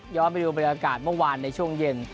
ไปดูบรรยากาศเมื่อวานในช่วงเย็น